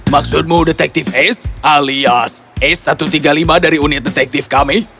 maksudmu detective ace alias s satu ratus tiga puluh lima dari unit detektif kami